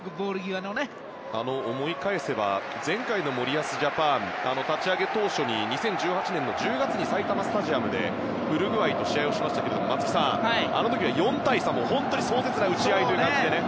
思い返せば前回の森保ジャパンの立ち上げ当初に２０１８年１０月に埼玉スタジアムでウルグアイと試合をしましたが松木さん、あの時は４対３と本当に壮絶な打ち合いという感じでね。